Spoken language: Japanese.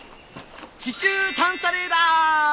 地中探査レーダー！